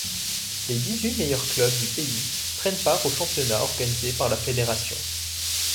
Les dix-huit meilleurs clubs du pays prennent part au championnat organisé par la fédération.